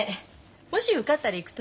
もし受かったら行くといいわ。